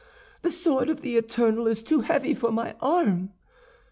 The sword of the eternal is too heavy for my arm.